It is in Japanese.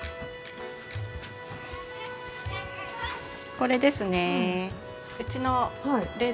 これですね。